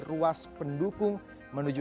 ruas pendukung menuju